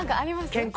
健康！